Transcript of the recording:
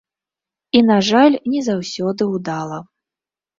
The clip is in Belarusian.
І, на жаль, не заўсёды ўдала.